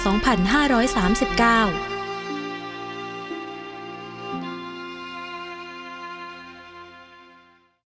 โปรดติดตามตอนต่อไป